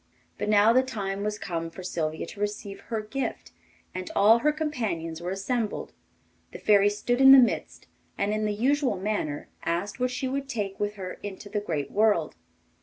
But now the time was come for Sylvia to receive her gift, and all her companions were assembled; the Fairy stood in the midst and in the usual manner asked what she would take with her into the great world.